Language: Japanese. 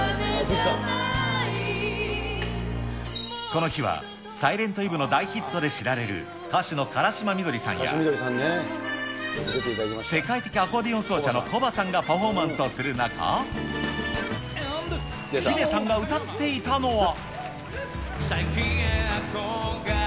この日は、サイレント・イヴの大ヒットで知られる歌手の辛島美登里さんや、世界的アコーディオン奏者のコバさんがパフォーマンスをする中、ヒデさんが歌っていたのは。